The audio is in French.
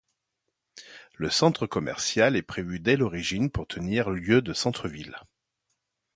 Le centre commercial est prévu dès l'origine pour tenir lieu de centre ville.